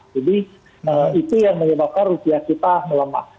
jadi itu yang menyebabkan rupiah kita melemah